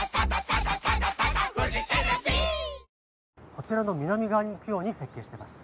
こちらの南側に向くように設計してます。